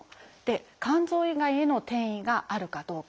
肝臓以外への転移があるかどうか。